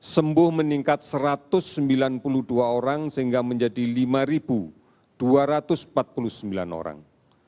sembuh meningkat satu ratus sembilan puluh dua orang sehingga menjadi lima dua ratus empat puluh sembilan orang